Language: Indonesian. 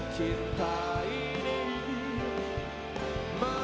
cinta ini memenuhku